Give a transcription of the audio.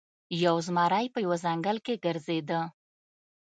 یو زمری په یوه ځنګل کې ګرځیده.